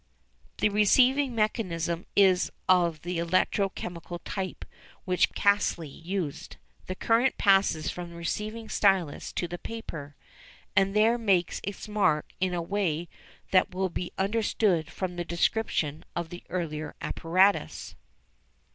The receiving mechanism is of the electro chemical type which Caselli used. The current passes from the receiving stylus to the paper, and there makes its mark in a way that will be understood from the description of the earlier apparatus.